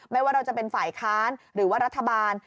ไม่ว่าเราจะเป็นฝ่ายค้านหรือว่ารัฐบาล